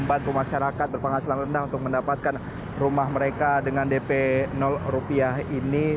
bantu masyarakat berpenghasilan rendah untuk mendapatkan rumah mereka dengan dp rupiah ini